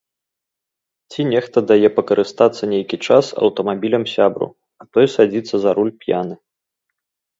Ці нехта дае пакарыстацца нейкі час аўтамабілем сябру, а той садзіцца за руль п'яны.